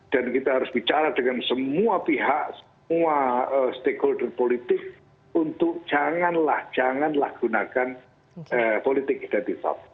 dan kita harus bicara dengan semua pihak semua stakeholder politik untuk janganlah janganlah gunakan politik identitas